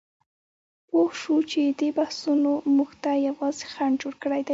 پوهه شو چې دې بحثونو موږ ته یوازې خنډ جوړ کړی دی.